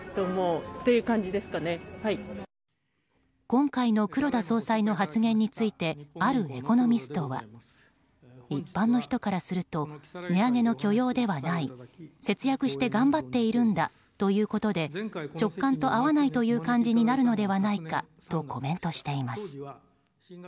今回の黒田総裁の発言についてあるエコノミストは一般の人からすると値上げの許容ではない節約して頑張っているんだということで直感と合わないという感じになるのではないかとコメントしています。